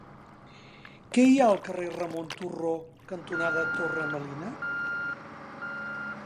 Què hi ha al carrer Ramon Turró cantonada Torre Melina?